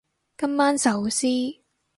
今晚壽司